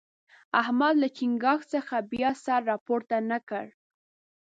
احمد له چينګاښ څخه بیا سر راپورته نه کړ.